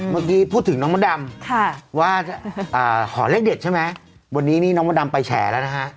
เมื่อกี้พูดถึงน้องมดดำว่าขอเลขเด็ดใช่ไหมวันนี้นี่น้องมดดำไปแฉแล้วนะฮะ